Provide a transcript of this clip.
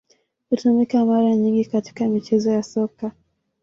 Hutumika mara nyingi katika michezo ya Soka.